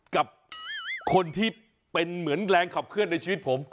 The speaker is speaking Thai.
กับคนที่เป็นเหมือนแรงขับเคลื่อนในชีวิตผม